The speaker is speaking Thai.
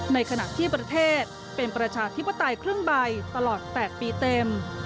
ในขณะที่ประเทศเป็นประชาธิปไตยครึ่งใบตลอด๘ปีเต็ม